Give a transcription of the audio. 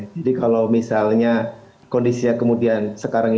jadi kalau misalnya kondisinya kemudian sekarang ini